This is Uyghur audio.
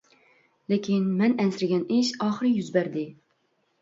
لېكىن، مەن ئەنسىرىگەن ئىش ئاخىرى يۈز بەردى.